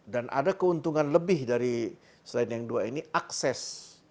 dan ada keuntungan lebih dari selain yang dua ini akses